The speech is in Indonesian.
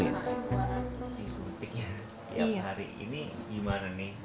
ini suntiknya setiap hari ini gimana nih